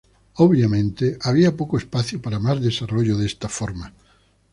Obviamente, había poco espacio para más desarrollo de esta forma.